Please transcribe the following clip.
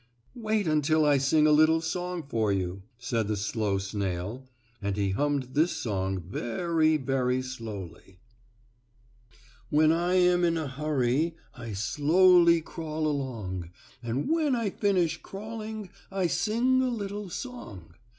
Illustration: Uncle Wiggily and the Watermelon "Wait until I sing a little song for you," said the slow snail, and he hummed this song very, very slowly: "When I am in a hurry I slowly crawl along, And when I finish crawling I sing a little song.